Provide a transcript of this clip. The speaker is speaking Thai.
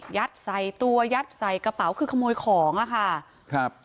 ใส่ตัวยัดใส่กระเป๋าคือขโมยของอ่ะค่ะครับ